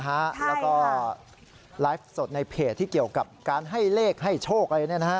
ใช่ค่ะแล้วก็ไลฟ์สดในเพจที่เกี่ยวกับการให้เลขให้โชคในนั้นนะฮะ